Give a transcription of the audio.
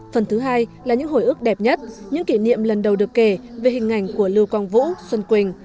phần thứ hai là những hồi ước đẹp nhất những kỷ niệm lần đầu được kể về hình ảnh của lưu quang vũ xuân quỳnh